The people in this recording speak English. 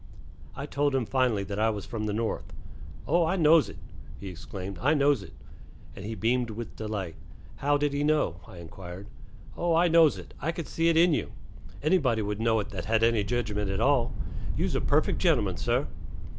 I told him finally that I was from the North. "Oh, I knows it," he exclaimed, "I knows it;" and he beamed with delight. How did he know, I inquired. "Oh, I knows it. I can see it in you. Anybody would know it that had any jedgment at all. You's a perfect gentleman, sah."